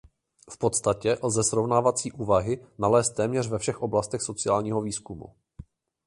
V podstatě lze srovnávací úvahy nalézt téměř ve všech oblastech sociálního výzkumu.